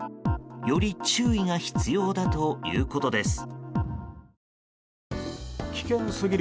より注意が必要だということです。